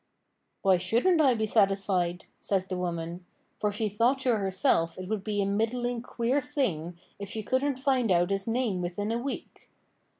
'Why shouldn't I be satisfied?' says the woman; for she thought to herself it would be a middling queer thing if she couldn't find out his name within a week.